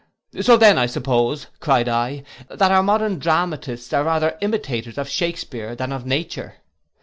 '—'So then, I suppose,' cried I, 'that our modern dramatists are rather imitators of Shakespear than of nature.